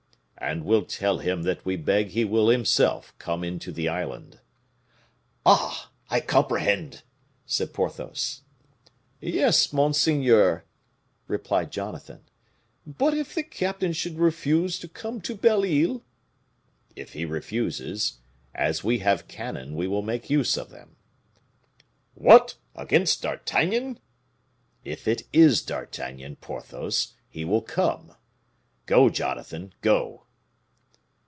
"And will tell him that we beg he will himself come into the island." "Ah! I comprehend!" said Porthos. "Yes, monseigneur," replied Jonathan; "but if the captain should refuse to come to Belle Isle?" "If he refuses, as we have cannon, we will make use of them." "What! against D'Artagnan?" "If it is D'Artagnan, Porthos, he will come. Go, Jonathan, go!"